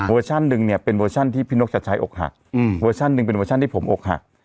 หนึ่งเนี่ยเป็นเวอร์ชันที่พี่นกจะใช้อกหักเวอร์ชันหนึ่งเป็นเวอร์ชันที่ผมอกหัก